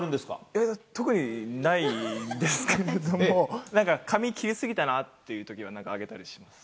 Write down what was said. いや、特にないですけれども、なんか、髪切り過ぎたなってときは、なんか上げたりします。